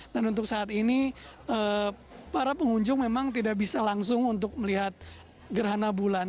dan untuk saat ini para pengunjung memang tidak bisa langsung untuk melihat gerhana bulan